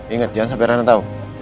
ingat jangan sampe rena tau